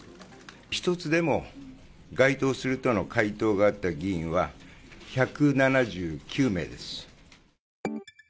一つでも該当するとの回答があった議員は１７９名です。